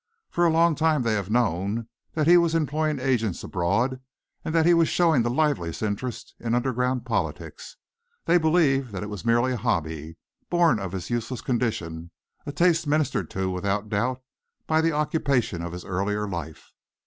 For a long time they have known that he was employing agents abroad, and that he was showing the liveliest interest in underground politics. They believed that it was a mere hobby, born of his useless condition, a taste ministered to, without doubt, by the occupation of his earlier life.